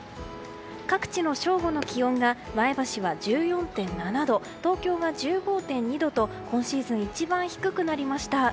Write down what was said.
各地の正午の気温が前橋は１４．７度東京が１５．２度と今シーズン一番低くなりました。